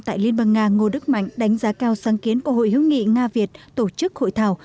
tại liên bang nga ngô đức mạnh đánh giá cao sáng kiến của hội hữu nghị nga việt tổ chức hội thảo